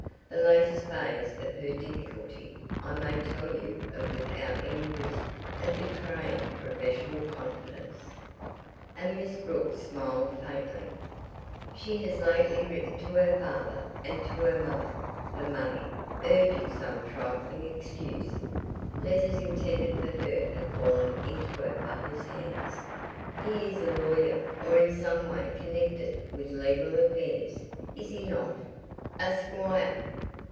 The latest phase of her difficulty I may tell you of without any risk of betraying professional confidence," and Miss Brooks smiled faintly. "She has lately written to her father and to her mother for money urging some trifling excuse. Letters intended for her have fallen into her father's hands. He is a lawyer, or in some way connected with legal affairs, is he not?" "A squire."